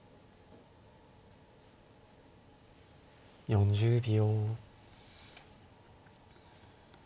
４０秒。